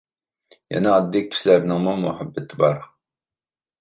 يەنە ئاددىي كىشىلەرنىڭمۇ مۇھەببىتى بار.